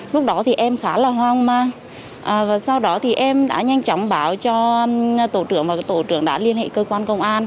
lúc đó thì em khá là hoang mang và sau đó thì em đã nhanh chóng báo cho tổ trưởng và tổ trưởng đã liên hệ cơ quan công an